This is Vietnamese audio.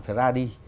phải ra đi